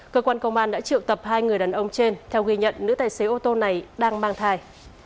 cơ quan công an đã triệu tập hai người đàn ông trên theo ghi nhận nữ tài xế ô tô này đang mang thai